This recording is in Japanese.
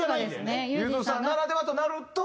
ゆずさんならではとなると。